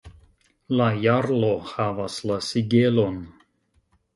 La jarlo havas la sigelon.